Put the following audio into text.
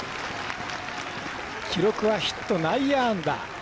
記録はヒット、内野安打。